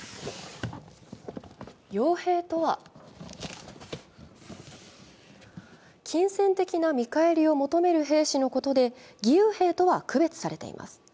よう兵とは、金銭的な見返りを求める兵士のことで義勇兵とは区別されています。